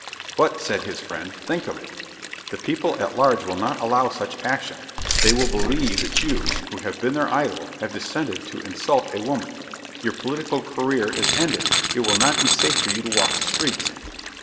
"But," said his friend, "think of it. The people at large will not allow such action. They will believe that you, who have been their idol, have descended to insult a woman. Your political career is ended. It will not be safe for you to walk the streets!"